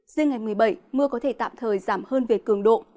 riêng ngày một mươi bảy mưa có thể tạm thời giảm hơn về cường độ